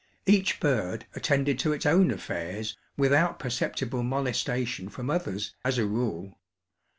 Each bird attended to its own affairs without perceptible molestation from others, as a rule.